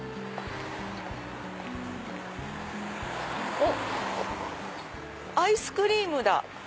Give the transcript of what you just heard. おっアイスクリームだ。